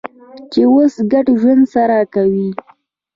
چې اوس ګډ ژوند سره کوي.